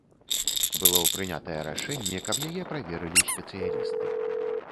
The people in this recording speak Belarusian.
Было прынятае рашэнне, каб яе праверылі спецыялісты.